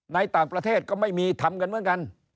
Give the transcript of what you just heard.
ในต่างประเทศก็ไม่มีทำกันเหมือนกัน